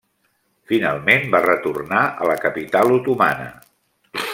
Finalment va retornar a la capital otomana.